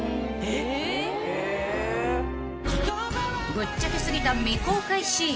［ぶっちゃけ過ぎた未公開シーン］